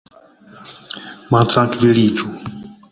maltrankviliĝu